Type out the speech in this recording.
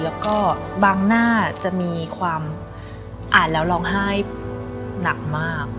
แล้วก็บางหน้าจะมีความอ่านแล้วร้องไห้หนักมาก